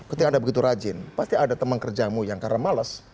ketika anda begitu rajin pasti ada teman kerjamu yang karena males